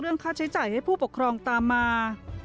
ค่าใช้จ่ายให้ผู้ปกครองตามมา